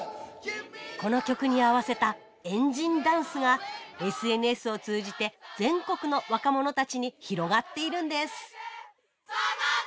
この曲に合わせた円陣ダンスがＳＮＳを通じて全国の若者たちに広がっているんです